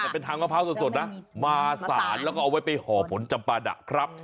แต่เป็นทางมะพร้าวสดนะมาสารแล้วก็เอาไว้ไปห่อผลจำปาดะครับ